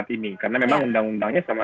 ini karena memang undang undangnya sama